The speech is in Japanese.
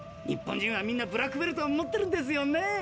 日本人はみんなブラックベルトを持ってるんですよね？